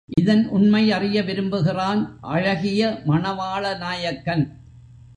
இதன் உண்மை அறிய விரும்புகிறான் அழகிய மணவாள நாயக்கன்.